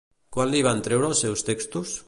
Quan li van treure els seus textos?